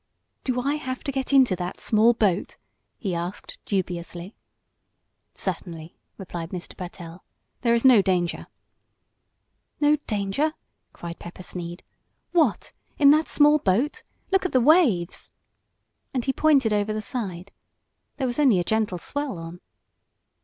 "Do I have to get into that small boat?" he asked, dubiously. "Certainly!" replied Mr. Pertell. "There is no danger." "No danger!" cried Pepper Sneed. "What! In that small boat? Look at the waves!" and he pointed over the side. There was only a gentle swell on.